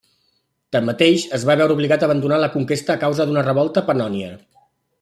Tanmateix, es va veure obligat a abandonar la conquesta a causa d'una revolta a Pannònia.